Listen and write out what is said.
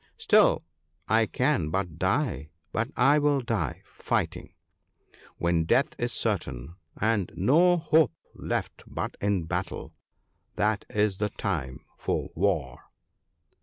Still, I can but die — and I will die fighting ! When death is certain, and no hope left but in battle, that is the time for war.'